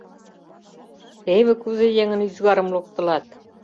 — Теве кузе еҥын ӱзгарым локтылат!